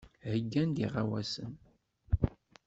Heyyant-d iɣawasen.